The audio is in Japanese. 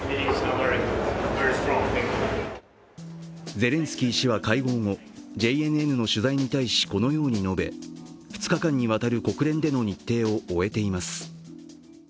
ゼレンスキー氏は会合後、ＪＮＮの取材に対しこのように述べ、２日間にわたる国連での日程を終えています。